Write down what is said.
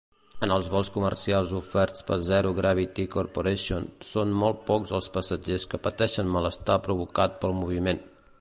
En els vols comercials oferts per Zero Gravity Corporation, són molt pocs els passatgers que pateixen malestar provocat pel moviment.